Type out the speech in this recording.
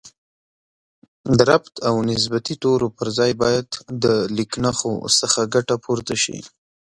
د ربط او نسبتي تورو پر ځای باید د لیکنښو څخه ګټه پورته شي